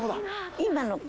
今の子。